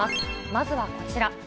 まずはこちら。